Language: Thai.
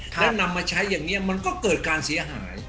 และนำมาใช้อย่างนี้มันก็เกิดการเสียหาย